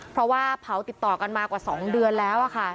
เพราะว่าเผาติดต่อกันมากว่า๒เดือนแล้วค่ะ